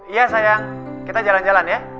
iya sayang kita jalan jalan ya